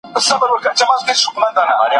خصوصي سکتورونه پیاوړي سول.